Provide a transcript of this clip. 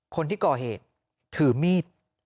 คนที่ก่อเหตุถือมีด